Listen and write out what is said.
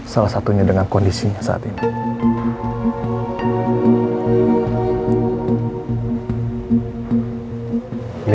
salah satunya dengan kondisi saat ini